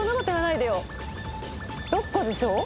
６個でしょ？